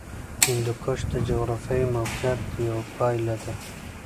هندوکش د جغرافیایي موقیعت یوه پایله ده.